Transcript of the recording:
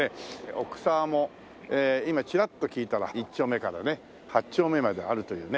奥沢も今ちらっと聞いたら１丁目からね８丁目まであるというね。